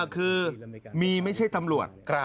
คือมีไม่ใช่ตำรวจ